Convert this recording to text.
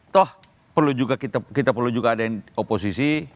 toh juga kita perlu juga ada yang oposisi